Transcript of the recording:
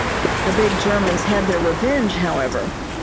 The big Germans had their revenge, however.